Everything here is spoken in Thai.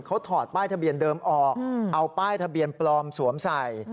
เขาถอดป้ายทะเบียนเดิมออกเอาป้ายทะเบียนปลอมสวมใส่